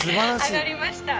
上がりました。